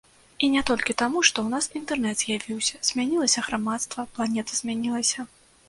І не толькі таму, што ў нас інтэрнэт з'явіўся, змянілася грамадства, планета змянілася.